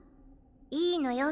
いいのよ。